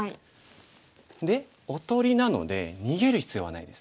でおとりなので逃げる必要はないです。